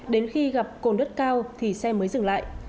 đến khi gặp cồn đất cao thì xe mới dừng lại